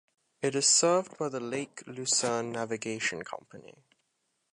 It is served by the Lake Lucerne Navigation Company.